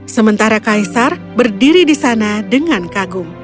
sementara kaisar berdiri di sana dengan kagum